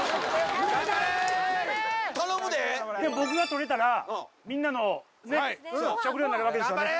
頼むで僕がとれたらみんなの食料になるわけですよね